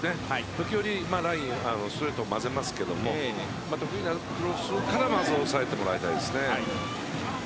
時折ストレートをまぜますけども得意なクロスからまず、抑えてもらいたいですね。